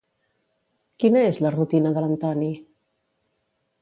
Quina és la rutina de l'Antoni?